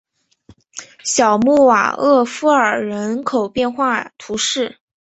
小穆瓦厄夫尔人口变化图示